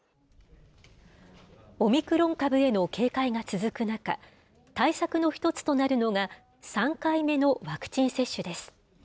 オミクロン株への警戒が続く中、対策の一つとなるのが、３回目のワクチン接種です。